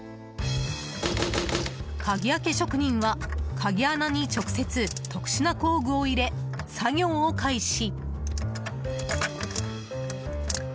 鍵開け職人は、鍵穴に直接特殊な工具を入れ、作業を開始。